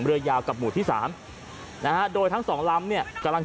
เฮ้ยเฮ้ยเฮ้ยเฮ้ย